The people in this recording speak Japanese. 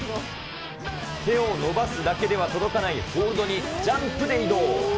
手を伸ばすだけでは届かないホールドにジャンプで移動。